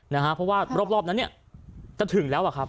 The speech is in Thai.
นะฮะเพราะว่ารอบนั้นเนี่ยจะถึงแล้วอะครับ